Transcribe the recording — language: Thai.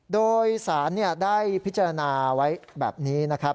โดยสารได้พิจารณาไว้แบบนี้นะครับ